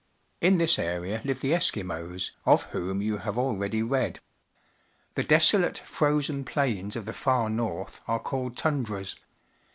In this area live the Eskimos, of whom you have already read. The de.soIate, frozen plains of the far north are called tundras.